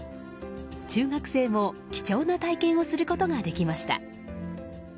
中学生も貴重な体験をすることができました。